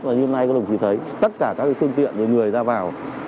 và như hôm nay các đồng chí thấy tất cả các phương tiện người ra vào